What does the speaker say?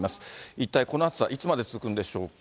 一体この暑さ、いつまで続くんでしょうか。